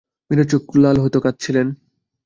মীরার চোখ লাল, হয়তো কাঁদছিলেন।